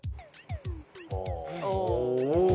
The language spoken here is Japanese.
お。